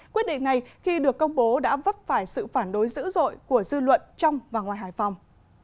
quyết định này khi được công bố đã vấp phải sự phản đối dữ dội của dư luận trong và ngoài hải phòng